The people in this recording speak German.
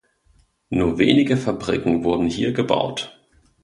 Nur wenige Fabriken wurden hier gebaut.